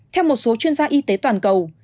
theo một số chuyên gia y tế toàn cầu